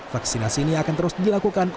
vaksinasi ini akan terus dilakukan